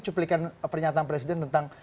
cuplikan pernyataan presiden tentang